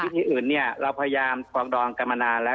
วิธีอื่นเราพยายามฟองดองกำลังมาแล้ว